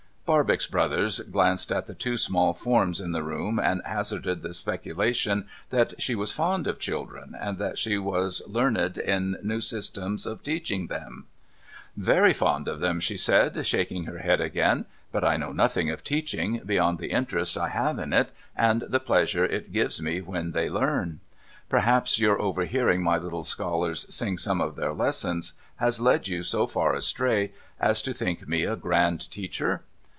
Barbox Brothers glanced at the two small forms in the room, and hazarded the speculation that she was fond of children, and that she was learned in new systems of teaching them ?* Very fond of them,' she said, shaking her head again ;' but I know nothing of teaching, beyond the interest I have in it, and the pleasure it gives me when they learn. Perhaps your overhearing my little scholars sing some of their lessons has led you so far astray as to think me a grand teacher